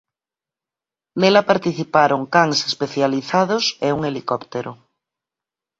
Nela participaron cans especializados e un helicóptero.